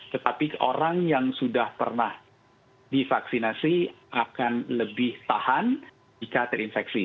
tetapi orang yang sudah pernah divaksinasi akan lebih tahan jika terinfeksi